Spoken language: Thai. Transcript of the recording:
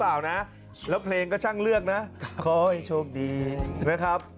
เปล่านะแล้วเพลงก็ช่างเลือกนะขอให้โชคดีนะครับ